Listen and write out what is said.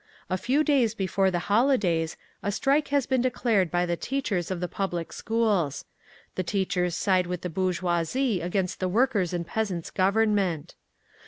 "A few days before the holidays, a strike has been declared by the teachers of the public schools. The teachers side with the bourgeoisie against the Workers' and Peasants' Government.